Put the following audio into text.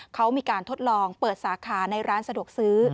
เขามีการทดลองเปิดสาขาในร้านสะดวกซื้อ